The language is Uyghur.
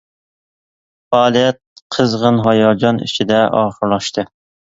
پائالىيەت قىزغىن ھاياجان ئىچىدە ئاخىرلاشتى.